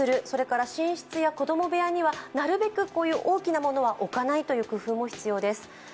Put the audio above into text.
それから寝室や子供部屋にはなるべく大きなものを置かないという工夫が必要です。